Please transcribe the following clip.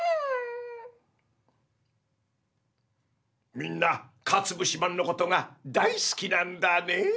みんなかつぶしまんのことが大好きなんだねえ！